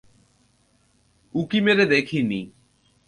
উঁকি মেরে দেখিনি।